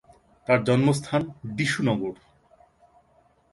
তার জন্মস্থান ডীশুনগর।